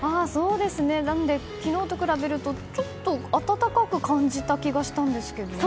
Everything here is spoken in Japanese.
なので、昨日と比べるとちょっと暖かく感じた気がしたんですけどね。